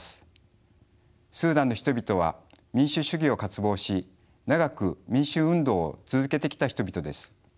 スーダンの人々は民主主義を渇望し長く民主運動を続けてきた人々です。